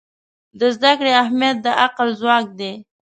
د زده کړې اهمیت د عقل ځواک دی.